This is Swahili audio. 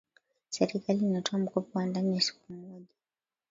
serikali inatoa mkopo wa ndani ya siku moja